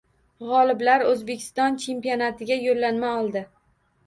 G‘oliblar O‘zbekiston chempionatiga yo‘llanma oldi